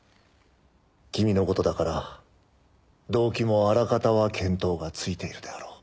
君の事だから動機もあらかたは見当がついているであろう？